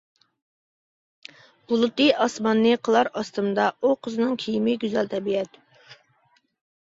بۇلۇتى ئاسماننى قىلار ئاستىمدا ئۇ قىزنىڭ كىيىمى گۈزەل تەبىئەت.